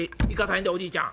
んでおじいちゃん。